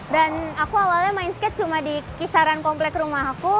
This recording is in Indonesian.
dan aku awalnya main skate cuma di kisaran komplek rumah aku